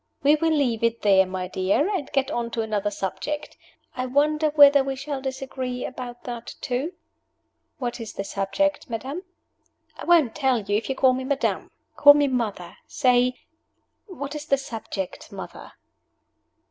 "We will leave it there, my dear, and get on to another subject. I wonder whether we shall disagree about that too?" "What is the subject, madam?" "I won't tell you if you call me madam. Call me mother. Say, 'What is the subject, mother?'" "What is the subject, mother?"